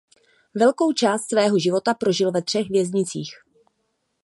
Velkou část svého života prožil ve třech věznicích.